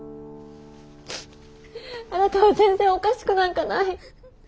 あなたは全然おかしくなんかない。